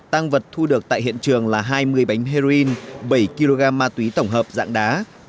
tăng vật thu được tại hiện trường là hai mươi bánh heroin bảy kg ma túy tổng hợp dạng đá